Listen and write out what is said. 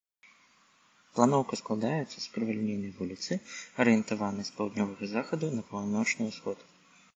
Планоўка складаецца з крывалінейнай вуліцы, арыентаванай з паўднёвага захаду на паўночны ўсход.